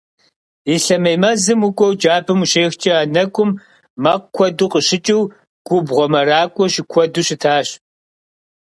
Ислъэмей мэзым укӏуэу джабэм ущехкӏэ, а нэкӏум мэкъу куэду къыщыкӏыу, губгъуэ мэракӏуэ щыкуэду щытащ.